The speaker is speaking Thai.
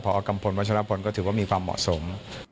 พอกัมพลวัชลพลก็ถือว่ามีความเหมาะสม